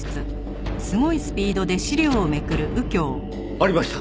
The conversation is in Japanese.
ありました！